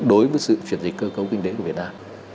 đối với sự chuyển dịch cơ cấu kinh tế của việt nam